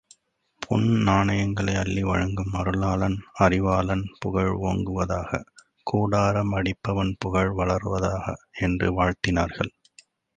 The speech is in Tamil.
பொன் நாணயங்களை அள்ளி வழங்கும் அருளாளன் அறிவாளன் புகழ் ஓங்குவதாக! கூடாரமடிப்பவன் புகழ் வளர்வதாக! என்று வாழ்த்தினார்கள்.